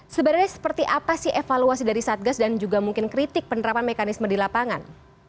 sebenarnya seperti apa sih evaluasi dari satgas dan juga mungkin kritik penerapan mekanisme di lapangan